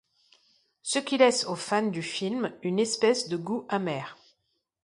Ce qui laisse aux fans du film une espèce de goût amer.